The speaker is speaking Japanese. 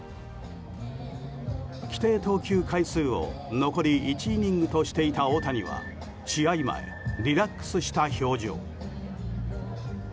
規定投球回数を残り１イニングとしていた大谷は試合前、リラックスした表情。